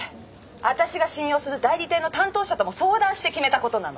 私が信用する代理店の担当者とも相談して決めたことなの。